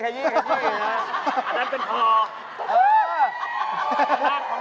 อันนั้นเป็นพอ